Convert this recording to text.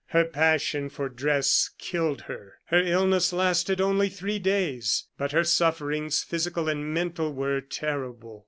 Her passion for dress killed her. Her illness lasted only three days; but her sufferings, physical and mental, were terrible.